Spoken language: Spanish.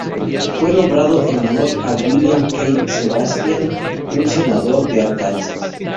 Fue nombrado en honor a William K. Sebastian, un senador de Arkansas.